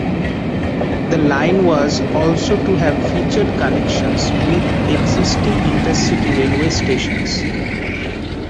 The line was also to have featured connections with existing intercity railway stations.